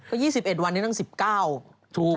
ก็๒๑วันนี้ตั้ง๑๙ถูก